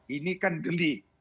ini kan delik